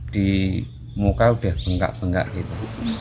di muka udah bengkak bengkak gitu